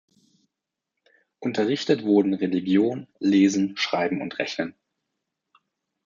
Unterrichtet wurden Religion, Lesen, Schreiben und Rechnen.